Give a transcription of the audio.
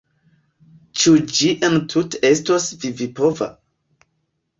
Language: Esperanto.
Ĉu ĝi entute estos vivipova?